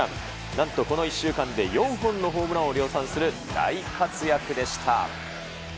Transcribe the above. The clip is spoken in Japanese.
なんと、この１週間で４本のホームランを量産する大活躍でした。